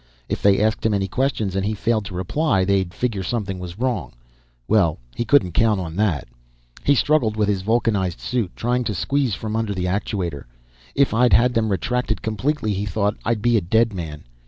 If they asked him any questions and he failed to reply, they'd figure something was wrong. Well, he couldn't count on that. He struggled with his vulcanized suit, trying to squeeze from under the actuator. If I'd had them retract it completely, he thought, I'd be a dead man.